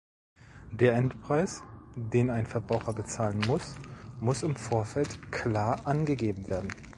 Der Endpreis, den ein Verbraucher bezahlen muss, muss im Vorfeld klar angegeben werden.